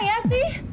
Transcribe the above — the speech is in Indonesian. tidak ada apa apa